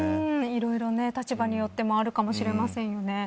いろいろ立場によってもあるかもしれませんよね。